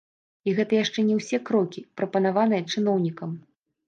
І гэта яшчэ не ўсе крокі, прапанаваныя чыноўнікам.